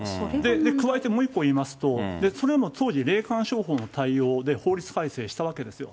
加えてもう１個言いますと、当時、霊感商法の対応で、法律改正したわけですよ。